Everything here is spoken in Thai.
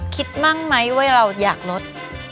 คิดมั่นไหมเวลาเราอยากลด